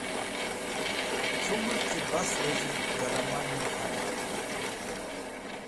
Cumẽr ki bas wezit dẽ lẽmanen halit.